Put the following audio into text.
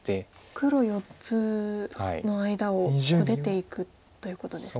黒４つの間を出ていくということですね。